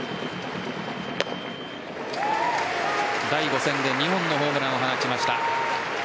第５戦で２本のホームランを放ちました。